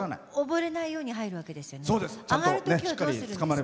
溺れないように入るわけですよね。